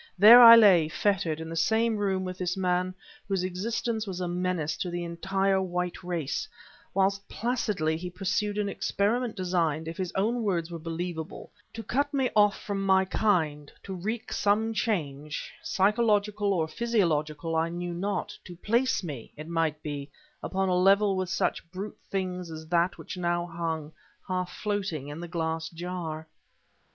There I lay, fettered, in the same room with this man whose existence was a menace to the entire white race, whilst placidly he pursued an experiment designed, if his own words were believable, to cut me off from my kind to wreak some change, psychological or physiological I knew not; to place me, it might be, upon a level with such brute things as that which now hung, half floating, in the glass jar!